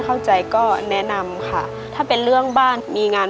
เราไปตื้อกันยังไง